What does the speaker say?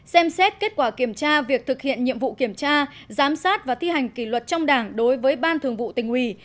xem xét kết quả kiểm tra việc thực hiện nhiệm vụ kiểm tra giám sát và thi hành kỷ luật trong đảng đối với ban thường vụ tỉnh ủy